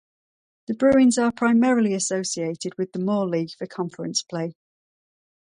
The Bruins are primarily associated with the Moore League for conference play.